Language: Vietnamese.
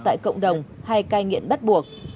tại cộng đồng hay cai nghiện bắt buộc